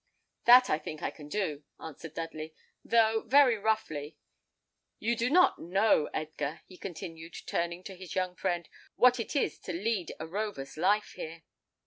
"That I think I can do," answered Dudley, "though very roughly. You do not know, Edgar," he continued, turning to his young friend, "what it is to lead a rover's life here."